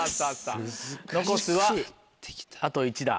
残すはあと１打。